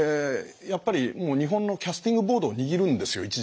やっぱり日本のキャスティングボートを握るんですよ